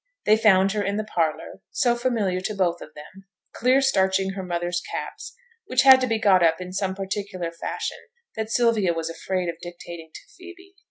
They found her in the parlour (so familiar to both of them!) clear starching her mother's caps, which had to be got up in some particular fashion that Sylvia was afraid of dictating to Phoebe.